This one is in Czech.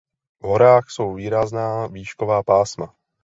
V horách jsou výrazná výšková pásma.